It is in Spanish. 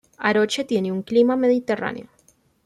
Aroche tiene un clima mediterráneo.